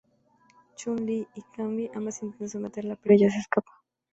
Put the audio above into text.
Chun Li y Cammy ambas intentan someterla, pero ella se escapa.